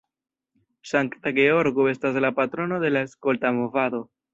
Sankta Georgo estas la patrono de la skolta movado.